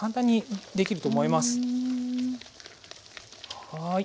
はい。